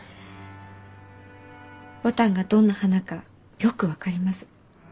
牡丹がどんな花かよく分かります。